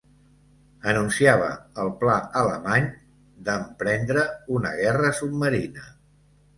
Anunciava el pla alemany d'em prendre una guerra submarina.